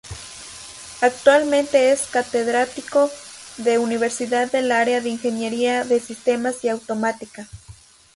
Actualmente es Catedrático de Universidad del área de Ingeniería de Sistemas y Automática.